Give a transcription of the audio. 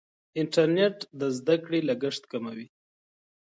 انټرنیټ د زده کړې لګښت کموي.